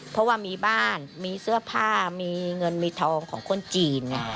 เพราะว่ามีบ้านมีเสื้อผ้ามีเงินมีทองของคนจีน